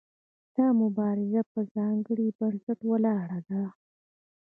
دا مبارزه په ځانګړي بنسټ ولاړه ده.